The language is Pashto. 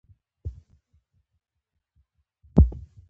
افغانستان کې د ودانیو جوړولو په برخه کې پرمختګ شوی ده